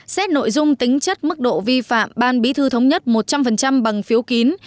xét nội dung tính chất mức độ vi phạm ban bí thư thống nhất một trăm linh bằng phiếu kín